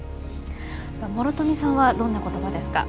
諸富さんはどんな言葉ですか？